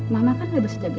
mama kan udah bisa jagain mita